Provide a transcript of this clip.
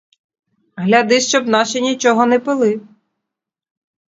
Гляди, щоб наші нічого не пили.